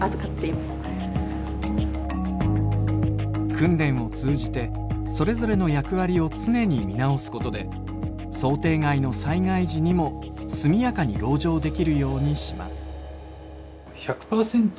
訓練を通じてそれぞれの役割を常に見直すことで想定外の災害時にも速やかに籠城できるようにします。